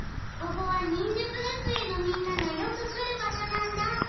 ここは忍術学園のみんながよく来る場所なんだ。